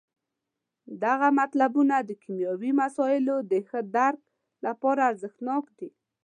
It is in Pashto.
دغه مطلبونه د کیمیاوي مسایلو د ښه درک لپاره ارزښت ناکه دي.